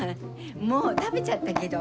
もう食べちゃったけど。